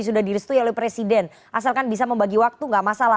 sudah direstui oleh presiden asalkan bisa membagi waktu gak masalah